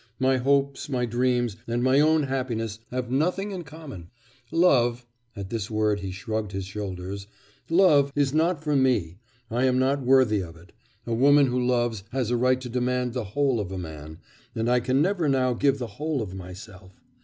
My hopes, my dreams, and my own happiness have nothing in common. Love' (at this word he shrugged his shoulders) 'love is not for me; I am not worthy of it; a woman who loves has a right to demand the whole of a man, and I can never now give the whole of myself.